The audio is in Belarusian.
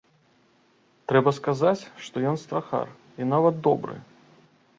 Трэба сказаць, што ён страхар, і нават добры.